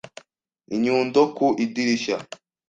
Inyundo ku idirishya